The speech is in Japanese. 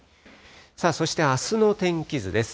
さあそして、あすの天気図です。